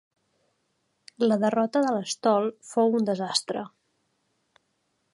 La derrota de l'estol fou un desastre.